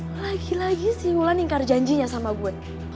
lagi lagi sih ulan ingkar janjinya sama gue